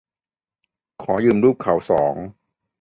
ขอยืมรูปเขาสอง